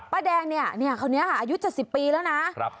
ป๊าแดงนี่เขานี้อะอายุจะ๑๐ปีแล้วนะ